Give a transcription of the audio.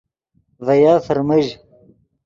ڤے یف فرمژ